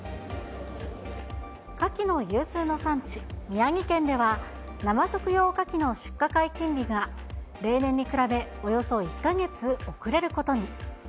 カキの有数の産地、宮城県では生食用カキの出荷解禁日が例年に比べおよそ１か月遅れることに。